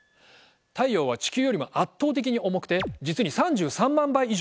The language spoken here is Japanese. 太陽は地球よりも圧倒的に重くて実に３３万倍以上もあるんですね。